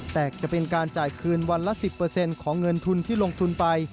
แต่จะเป็นการจ่ายคืนวันละ๑๐ของเงินทุนที่ลงทุนไป